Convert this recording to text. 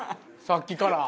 さっきから。